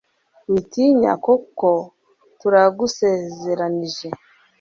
Witinya kuko turagusezeranije